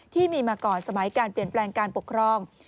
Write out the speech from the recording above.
ที่มีมาก่อนสมัยการเปลี่ยนแปลงการปกครอง